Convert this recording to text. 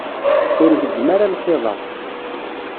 Ur gezzem ara lxiḍ-a.